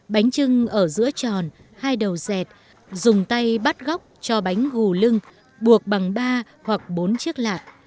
bánh trưng ở giữa tròn hai đầu dệt dùng tay bắt góc cho bánh gù lưng buộc bằng ba hoặc bốn chiếc lạc